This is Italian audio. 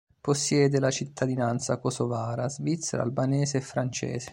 Possiede la cittadinanza kosovara, svizzera, albanese e francese.